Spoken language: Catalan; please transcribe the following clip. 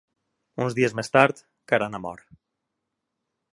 Uns dies més tard, Karana mor.